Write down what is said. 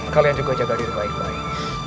kalian juga jaga diri baik baik